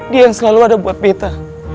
dia yang selalu ada buat peta